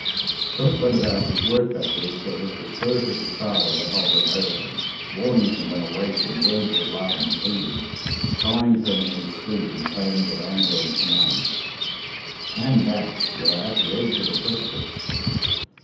Philip went about his work that week as if the spirit of his father were hovering over him, warning him when awake in words of love and pleading, crying to him in his sleep in tones of anger and command, "Stand back; you are at the edge of the precipice."